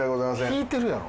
引いてるやろ。